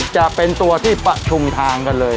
จะเป็นตัวที่ประชุมทางกันเลย